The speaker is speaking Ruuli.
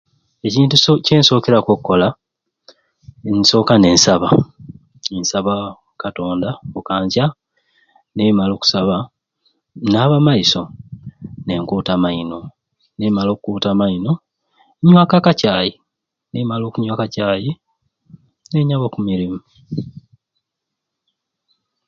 Ekintu kye kyensokeraku okola nsooka nensaba ninsaba okatonda okanca nimala okusaba naaba amaiso n'enkuta amaino nimala okuuta amaino nywaku akacai nimala okunywa akacai ninyaba oku mirimu